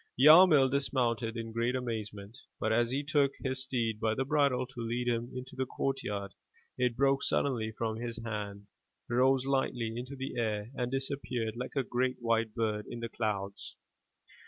Yarmil dismounted in great amazement, but as he took his steed by the bridle to lead him into the courtyard, it broke sud denly from his hand, rose lightly into the air and disappeared like a great white bird in the clouds.